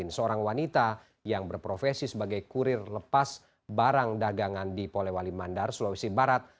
seorang wanita yang berprofesi sebagai kurir lepas barang dagangan di polewali mandar sulawesi barat